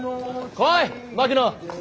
来い槙野！